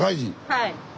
はい。